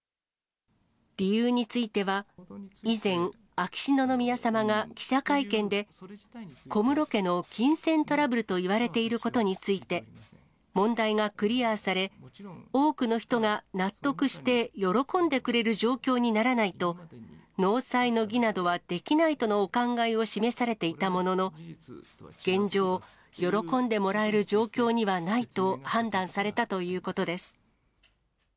理由については、以前、秋篠宮さまが記者会見で、小室家の金銭トラブルといわれていることについて、問題がクリアされ、多くの人が納得して喜んでくれる状況にならないと、納采の儀などはできないとのお考えを示されていたものの、現状、喜んでもらえる状況にはないと判断されたということです。